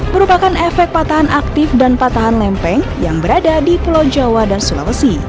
merupakan efek patahan aktif dan patahan lempeng yang berada di pulau jawa dan sulawesi